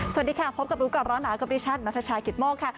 สวัสดีค่ะพบกับรู้กับร้อนอากาศดิชันนักศึกายกิตมกค่ะ